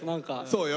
そうよ